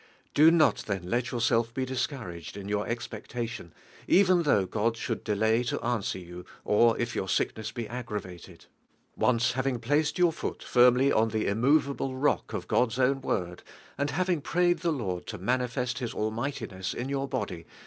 Do not then iet yourself be discouraged in your expecta tion even though God should delay to answer you, or if your sickness be aggra vated. Once having placed your foot lirjjily on the i ovealile rod of (Sort's own Ward, and having prayed the Lord to manifest His almigh'tiness in your body